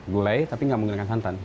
gulai tapi nggak menggunakan santan